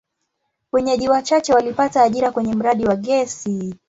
Wenyeji wachache walipata ajira kwenye mradi wa gesi.